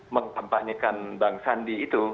mengetampaknyakan bang sandi itu